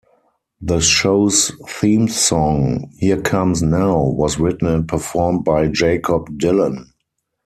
The show's theme song, "Here Comes Now", was written and performed by Jakob Dylan.